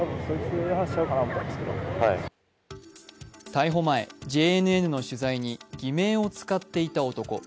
逮捕前、ＪＮＮの取材に偽名をつかっていた男。